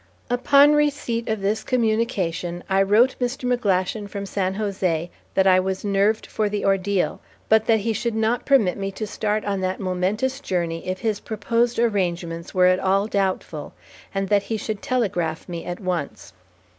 Upon receipt of this communication I wrote Mr. McGlashan from San Jose that I was nerved for the ordeal, but that he should not permit me to start on that momentous journey if his proposed arrangements were at all doubtful, and that he should telegraph me at once.